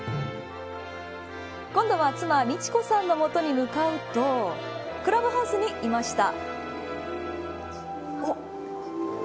今度は妻、道子さんの元に向かうとクラブハウスにいました。